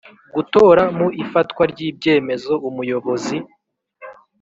gutora mu ifatwa ry ibyemezo Umuyobozi